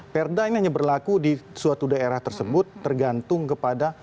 perda ini hanya berlaku di suatu daerah tersebut tergantung kepada